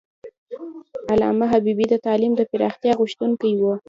علامه حبیبي د تعلیم د پراختیا غوښتونکی و.